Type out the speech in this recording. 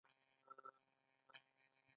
هندي ارزانه توکو سخت رقابت سره مخ کړي وو.